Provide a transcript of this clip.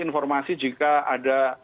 informasi jika ada